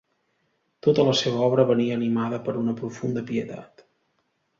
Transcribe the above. Tota la seva obra venia animada per una profunda pietat.